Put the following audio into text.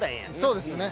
そうですね。